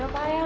udah payah lo